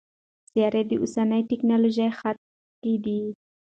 سیارې د اوسني ټکنالوژۍ حد کې دي.